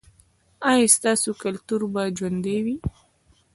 ایا ستاسو کلتور به ژوندی وي؟